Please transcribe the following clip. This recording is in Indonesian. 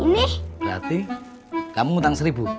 berarti kamu ngutang seribu